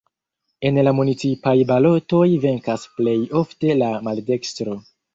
En la municipaj balotoj venkas plej ofte la maldekstro.